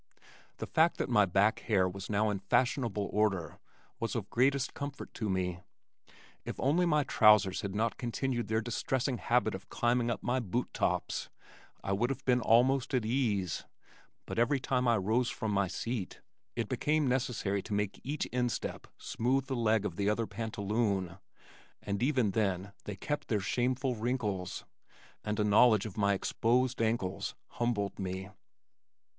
The fact that my back hair was now in fashionable order was of greatest comfort to me. If only my trousers had not continued their distressing habit of climbing up my boot tops I would have been almost at ease but every time I rose from my seat it became necessary to make each instep smooth the leg of the other pantaloon, and even then they kept their shameful wrinkles, and a knowledge of my exposed ankles humbled me.